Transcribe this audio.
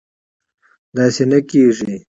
داسې نه کېږي